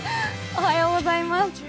おはようございます。